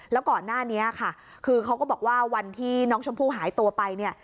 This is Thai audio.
แล้วก่อนหน้านี้ค่ะคือเขาก็บอกว่าวันที่น้องชมพู่หายตัวไปเนี่ย